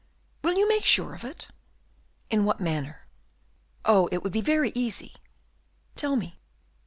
"Will you make sure of it?" "In what manner?" "Oh, it would be very easy!" "Tell me."